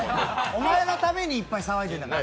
お前のためにいっぱい騒いでるんだから。